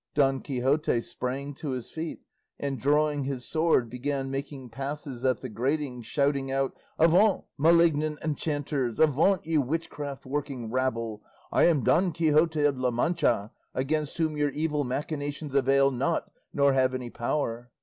Don Quixote sprang to his feet, and drawing his sword, began making passes at the grating, shouting out, "Avaunt, malignant enchanters! avaunt, ye witchcraft working rabble! I am Don Quixote of La Mancha, against whom your evil machinations avail not nor have any power."